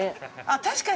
◆確かに。